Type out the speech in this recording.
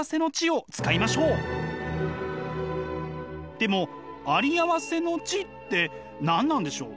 でもあり合わせの知って何なんでしょう？